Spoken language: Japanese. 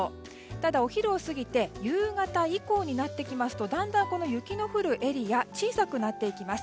ただお昼を過ぎて夕方以降になってきますとだんだん雪の降るエリア小さくなっていきます。